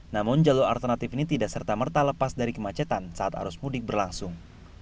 namun jalur alternatif ini tidak serta merta lepas dari kemacetan saat arus mudik berlangsung